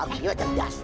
aku juga cerdas